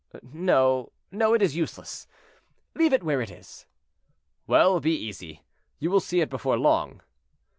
"No, no, it is useless; leave it where it is." "Well, be easy, you will see it before long."